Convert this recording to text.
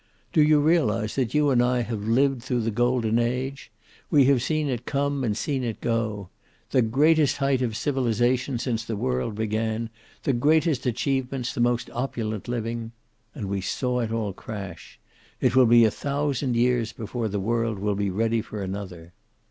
Do you realize that you and I have lived through the Golden Age? We have seen it come and seen it go. The greatest height of civilization, since the world began, the greatest achievements, the most opulent living. And we saw it all crash. It will be a thousand years before the world will be ready for another."